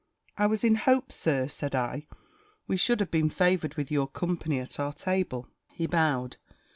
"I was in hopes. Sir," said I, "we should have been favoured with your company at our table." He bowed.